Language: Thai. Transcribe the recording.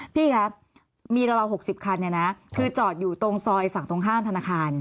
พี่คะมีราว๖๐คันคือจอดอยู่ตรงซอยฝั่งตรงข้ามธนาคาร